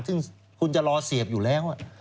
ซึ่งคุณจะรอเสียบอยู่แล้ว